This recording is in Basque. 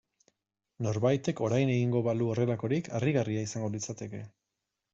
Norbaitek orain egingo balu horrelakorik harrigarria izango litzateke.